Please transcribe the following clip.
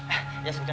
eh ya sudah